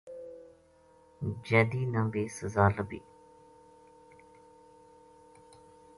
جیدی نا بے سزا لبھی